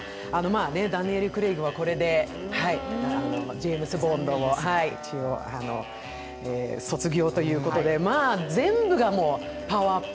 ダニエル・クレイグはこれでジェームズ・ボンドを卒業ということで、まあ全部がパワーアップ。